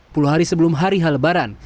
puluh hari sebelum hari h lebaran